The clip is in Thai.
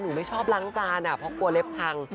ไม่ชอบล้างจานเพราะกลัวเล็บพัง